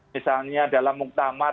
misalnya dalam muktamar